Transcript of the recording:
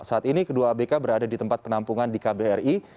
saat ini kedua abk berada di tempat penampungan di kbri